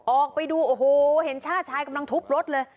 ออกไปดูโอ้โหเห็นชาติชายกำลังทุบรถเลย